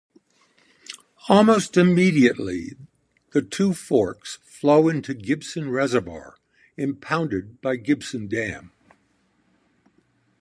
Almost immediately the two forks flow into Gibson Reservoir, impounded by Gibson Dam.